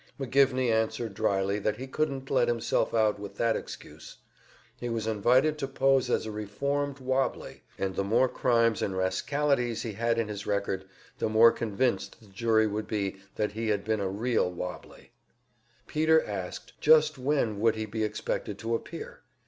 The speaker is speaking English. McGivney answered dryly that he couldn't let himself out with that excuse; he was invited to pose as a reformed "wobbly," and the more crimes and rascalities he had in his record, the more convinced the jury would be that he had been a real "wobbly." Peter asked, just when would he be expected to appear?